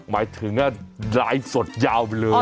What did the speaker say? หมายถึงว่าไลฟ์สดยาวเลย